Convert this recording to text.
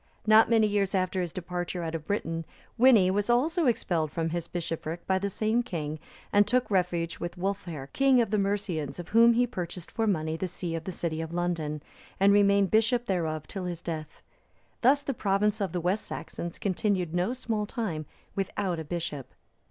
Not many years after his departure out of Britain, Wini was also expelled from his bishopric by the same king, and took refuge with Wulfhere, king of the Mercians, of whom he purchased for money the see of the city of London,(329) and remained bishop thereof till his death. Thus the province of the West Saxons continued no small time without a bishop.